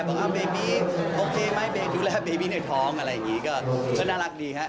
บอกเบบีโอเคไหมเบย์ดูแลเบบี้ในท้องอะไรอย่างนี้ก็น่ารักดีฮะ